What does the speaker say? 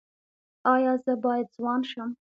ایا زه باید ځوان شم؟